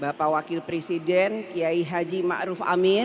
bapak wakil presiden kiyai haji ma'ruf amir